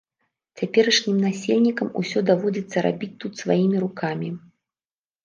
Цяперашнім насельнікам усё даводзіцца рабіць тут сваімі рукамі.